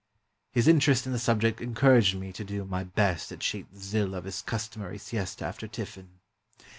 His interest in the subject encouraged me to do my best to cheat the Zill of his customary siesta after tiffin.